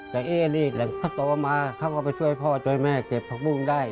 แต่เอ๊ะนี่หลังที่เขาต่อมาเขาก็ไปช่วยพ่อจอยแม่เก็บผักบุ้งได้